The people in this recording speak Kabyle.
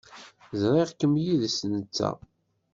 Ẓriɣ-kem yid-s netta.